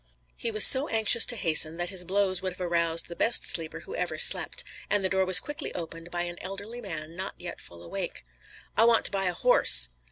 He was so anxious to hasten that his blows would have aroused the best sleeper who ever slept, and the door was quickly opened by an elderly man, not yet fully awake. "I want to buy a horse."